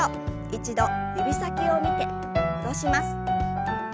一度指先を見て戻します。